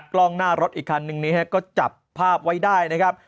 กล้องหน้ารถอีกคันนึงนี้ก็จับภาพไว้ได้นะครับ